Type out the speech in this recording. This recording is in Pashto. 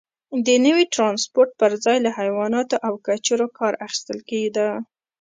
د نوي ټرانسپورت پرځای له حیواناتو او کچرو کار اخیستل کېده.